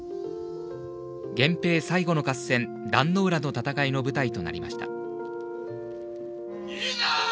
源平最後の合戦、壇ノ浦の戦いの舞台となりました。